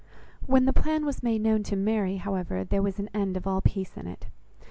When the plan was made known to Mary, however, there was an end of all peace in it.